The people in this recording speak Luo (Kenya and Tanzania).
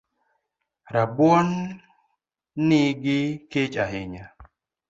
Rabuoni gi kech ahinya